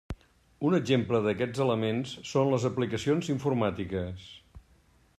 Un exemple d'aquests elements són les aplicacions informàtiques.